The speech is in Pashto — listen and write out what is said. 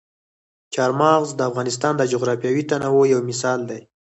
چار مغز د افغانستان د جغرافیوي تنوع یو مثال دی.